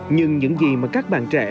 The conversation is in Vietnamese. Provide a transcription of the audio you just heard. nhưng những gì mà các bạn trẻ